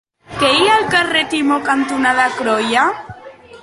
Què hi ha al carrer Timó cantonada Croia?